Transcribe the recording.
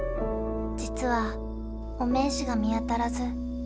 「実はお名刺が見当たらず」